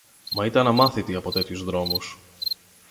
Μα ήταν αμάθητη από τέτοιους δρόμους.